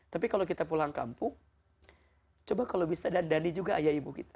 tapi kalau kita pulang kampung coba kalau bisa dandani juga ayah ibu kita